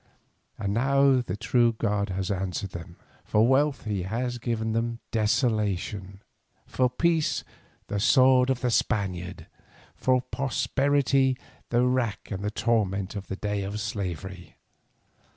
And now the true God has answered them. For wealth He has given them desolation, for peace the sword of the Spaniard, for prosperity the rack and the torment and the day of slavery.